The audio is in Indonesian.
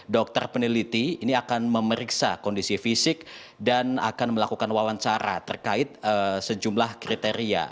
dokter peneliti ini akan memeriksa kondisi fisik dan akan melakukan wawancara terkait sejumlah kriteria